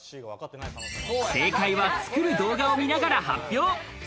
正解は作る動画を見ながら発表。